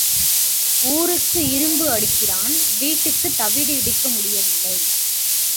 ஊருக்கு இரும்பு அடிக்கிறான் வீட்டுக்குத் தவிடு இடிக்க முடியவில்லை.